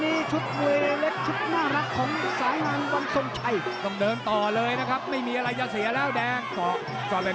นี่คือความสุดจอดจริงจริงครับคุณผู้ชม